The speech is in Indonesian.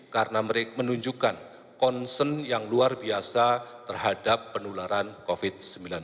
karena menunjukkan concern yang luar biasa terhadap penularan covid sembilan belas